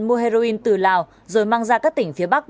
mua heroin từ lào rồi mang ra các tỉnh phía bắc